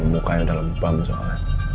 mukanya udah lempam soalnya